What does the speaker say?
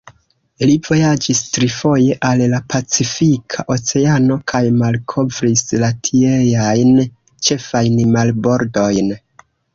Li vojaĝis trifoje al la Pacifika Oceano kaj malkovris la tieajn ĉefajn marbordojn.